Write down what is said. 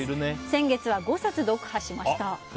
先月は５冊読破しました。